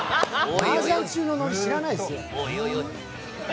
マージャン中のノリ、知らないですよ。